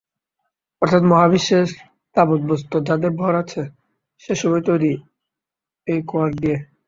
অর্থাৎ মহাবিশ্বের তাবৎ বস্তু, যাদের ভর আছে, সেসবই তৈরি এই কোয়ার্ক দিয়ে।